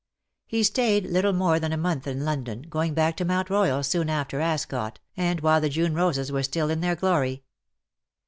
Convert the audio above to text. He stayed little more than a month in London, going back to Mount Koyal soon after Ascot, and while the June roses were still in their glory.